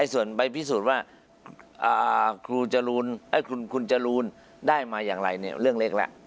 ส่วนใบพิสูจน์ว่าครูคุณจรูนได้มาอย่างไรเนี่ยเรื่องเล็กแล้ว